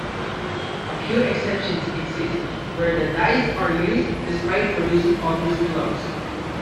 A few exceptions exist, where the dies are used despite producing obvious flaws.